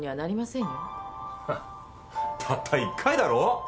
ハッたった１回だろ？